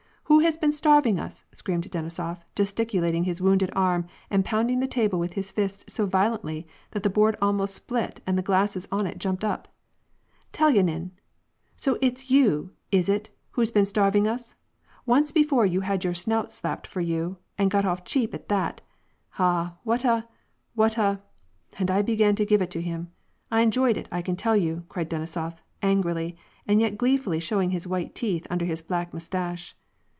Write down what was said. Who has been starving us ?" screamed Denisof, gesticulating his wounded arm, and pounding the table with his fist so violently that the board almost split and the glasses on it jumped up. " Telyanin !—* So it's you, is it, who's been starving us ? Once before you had your snout slapped for you, and got off cheap at that. Ah ! what a — what a '— and I began to give it to him. I enjoyed it, I can tell you," cried Denisof, angrily and yet gleefully showing his white teeth under his black mustache.